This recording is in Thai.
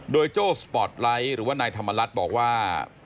โดยโจ้สปอร์ตไลท์หรือว่านายธรรมรัฐบอกว่า